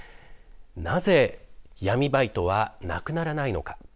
なぜ闇バイトはなくならないのか。